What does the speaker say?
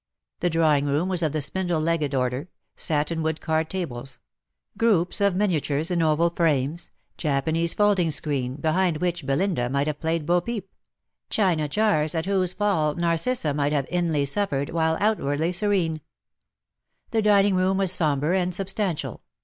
The drawing room was of the spindle legged order — satin wood card tables ; groups of miniatures in oval frames; Japanese folding screen, behind which Belinda might have played Bo peep; china jars, at whose fall Narcissa might have inly suffered, while outwardly serene. IN SOCIETY. 147 The dining room was sombre and substantial.